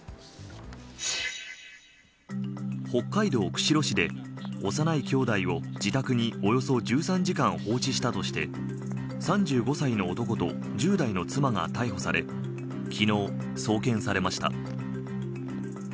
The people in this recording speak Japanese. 北海道釧路市で幼い兄弟を自宅におよそ１３時間放置したとして３５歳の男と１０代の妻が逮捕され昨日、送検されました。